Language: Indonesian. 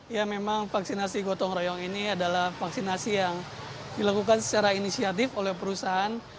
ya memang vaksinasi gotong royong ini adalah vaksinasi yang dilakukan secara inisiatif oleh perusahaan